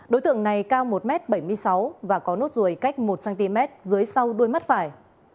đối tượng này cao một m bảy mươi sáu và có nốt ruồi cách một cm dưới sau đuôi mắt phải